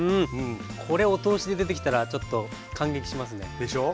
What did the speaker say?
これお通しで出てきたらちょっと感激しますね。でしょう。